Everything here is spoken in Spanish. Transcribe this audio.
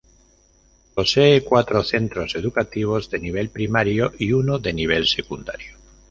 Posee cuatro centros educativos de nivel primario y uno de nivel secundario.